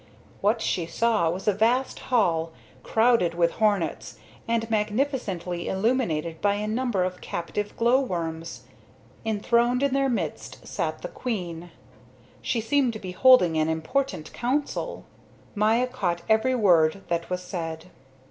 What she saw was a vast hall crowded with hornets and magnificently illuminated by a number of captive glow worms. Enthroned in their midst sat the queen, who seemed to be holding an important council. Maya caught every word that was said.